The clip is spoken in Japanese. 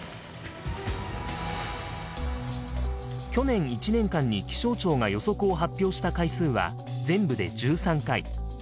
去年１年間に気象庁が予測を発表した回数は全部で１３回。